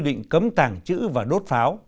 có quy định cấm tàng chữ và đốt pháo